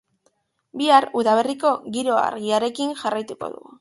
Bihar udaberriko giro argiarekin jarraituko dugu.